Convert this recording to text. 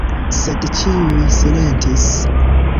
Sed ĉiuj silentis.